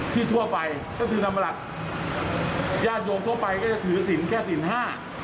ทั่วไปก็คือนำหลักญาติโยมทั่วไปก็จะถือศิลป์แค่ศิลปห้า